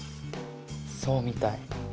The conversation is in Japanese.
そうみたい。